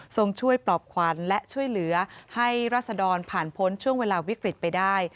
ส่งช่วยปลอบขวัญและช่วยเหลือให้รัศดรผ่านพ้นช่วงเวลาวิกฤตไปได้